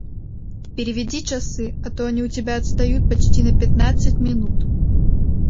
Переведи часы, а то они у тебя отстают почти на пятнадцать минут.